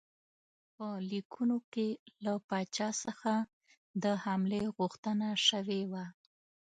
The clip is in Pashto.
په لیکونو کې له پاچا څخه د حملې غوښتنه شوې وه.